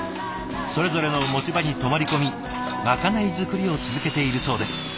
それぞれの持ち場に泊まり込みまかない作りを続けているそうです。